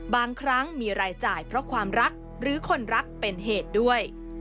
บางครั้งมีรายจ่ายเพราะความรักหรือคนรักเป็นเหตุด้วย